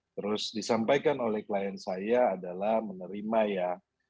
terus disampaikan oleh klien saya adalah menerima ya